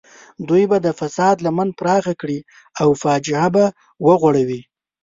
دوی به د فساد لمن پراخه کړي او فاجعه به وغوړوي.